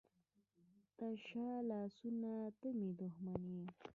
تشه لاسو ته مې دښمن یې.